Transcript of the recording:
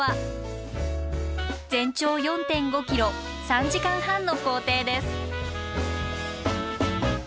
全長４．５ｋｍ３時間半の行程です。